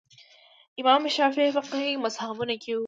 امام شافعي فقهي مذهبونو کې وو